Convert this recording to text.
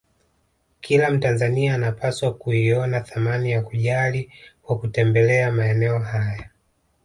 Kila Mtanzania anapaswa kuiona thamani ya kujali kwa kutembelea maeneo haya